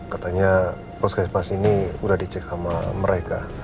katanya puskesmas ini udah dicek sama mereka